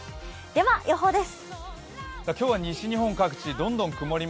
では、予報です。